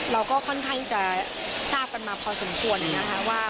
เราก็ค่อนข้างจะทราบกันมาพอสมควรนะคะว่า